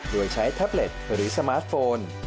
โดยใช้แท็บเล็ตหรือสมาร์ทโฟน